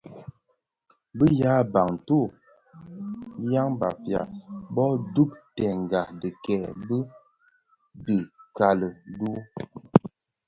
Bi yaa Bantu (yan Bafia) bo dhubtènga dhikèè bi dhikali dü,